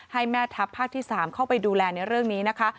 ให้แม่ทัพภาคที่๓เข้าไปดูแลในเรื่องนี้นะคะ